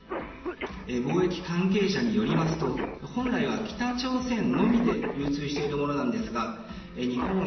貿易関係者によりますと本来は北朝鮮のみで流通していたものなんですが。